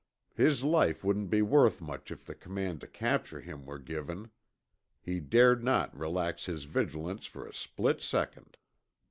His life wouldn't be worth much if the command to capture him were given. He dared not relax his vigilance for a split second.